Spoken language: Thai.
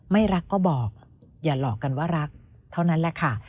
ไม่รักก็บอกอย่าหลอกกันว่ารักเท่านั้นแหละค่ะ